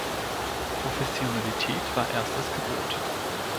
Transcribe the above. Professionalität war erstes Gebot.